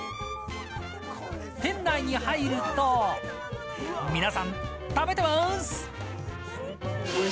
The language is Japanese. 店内に入ると皆さん食べてます。